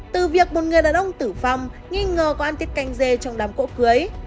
từ việc một người đàn ông tử phong nghi ngờ có ăn tiết canh dê trong đám cố cưới